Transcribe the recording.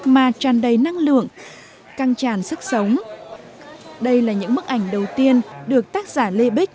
mà tràn đầy năng lượng căng tràn sức sống đây là những bức ảnh đầu tiên được tác giả lê bích